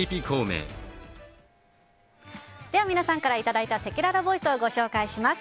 では皆さんからいただいたせきららボイスをご紹介します。